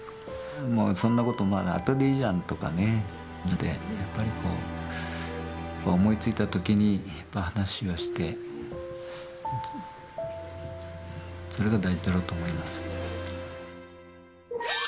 そんなことまだあとでいいじゃんとかじゃなくて、やっぱりこう、思いついたときに話をして、それが大事だろうと思います。